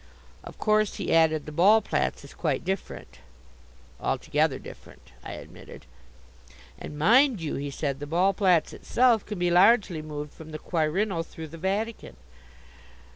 "Of course," he added, "the Ballplatz is quite different." "Altogether different," I admitted. "And mind you," he said, "the Ballplatz itself can be largely moved from the Quirinal through the Vatican."